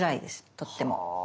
とっても。